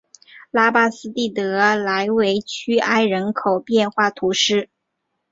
拉巴斯蒂德莱韦屈埃人口变化图示